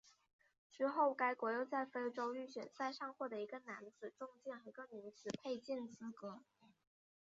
之后该国又在非洲预选赛上获得一个男子重剑和一个女子佩剑资格。